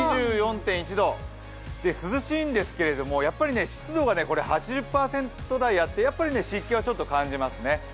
２４．１度、涼しいんですけどやっぱり湿度が８０％台あって湿気は感じますね。